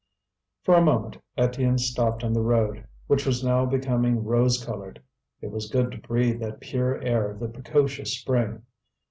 For a moment Étienne stopped on the road, which was now becoming rose coloured. It was good to breathe that pure air of the precocious spring.